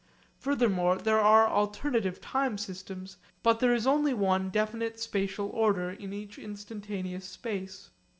Furthermore there are alternative time systems, but there is only one definite spatial order in each instantaneous space.